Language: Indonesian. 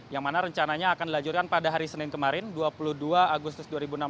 yang mana rencananya akan dilanjutkan pada hari senin kemarin dua puluh dua agustus dua ribu enam belas